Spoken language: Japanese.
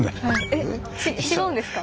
えっ違うんですか？